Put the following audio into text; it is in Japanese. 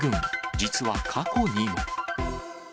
実は過去にも。